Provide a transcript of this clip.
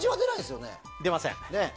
出ません。